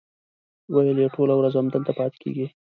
ویل یې ټوله ورځ همدلته پاتې کېږي.